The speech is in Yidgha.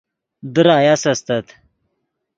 در آیاس استت